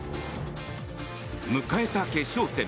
迎えた決勝戦。